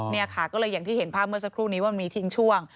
นี่ค่ะก็เลยอย่างที่เห็นภาพเมื่อสักครู่นี้ว่ามันมีทิ้งช่วง